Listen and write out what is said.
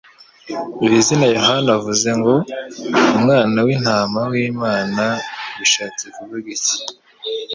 Iri zina Yohana avuze ngo: «Umwana w'intama w'Imana» bishatse kuvuga iki?